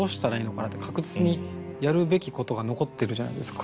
確実にやるべきことが残ってるじゃないですか。